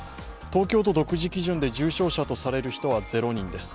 東京都独自基準で重症者とされる人は０人です。